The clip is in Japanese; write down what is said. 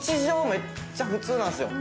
めっちゃ普通なんですよ。